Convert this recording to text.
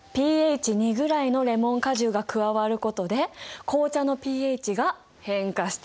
ｐＨ２ぐらいのレモン果汁が加わることで紅茶のｐＨが変化しているところだね。